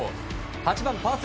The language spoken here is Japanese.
８番、パー３。